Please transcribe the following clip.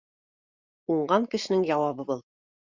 Уңған кешенең яуабы был